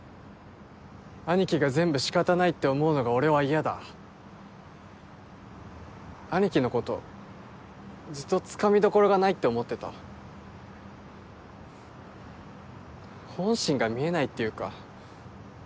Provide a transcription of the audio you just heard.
兄貴が全部仕方ないって思うのが俺は嫌だ兄貴のことずっとつかみどころがないって思ってた本心が見えないっていうか